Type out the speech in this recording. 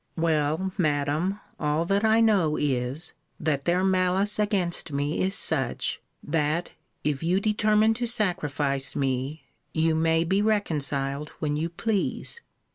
Well, Madam, all that I know is, that their malice against me is such, that, if you determine to sacrifice me, you may be reconciled when you please.